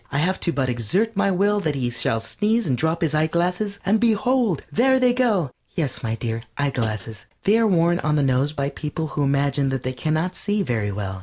I have to but exert my will that he shall sneeze and drop his eyeglasses, and behold, there they go." Yes, my dear, eyeglasses. They are worn on the nose by people who imagine they can not see very well.